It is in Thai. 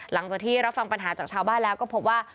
หลังจากที่รับฟังปัญหาจากชาวบ้านแล้วก็พบว่า